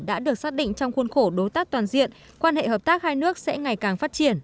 đã được xác định trong khuôn khổ đối tác toàn diện quan hệ hợp tác hai nước sẽ ngày càng phát triển